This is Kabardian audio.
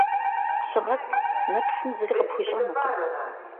Щыгъэт, нэпсым зыри къыпхуищӀэнукъым.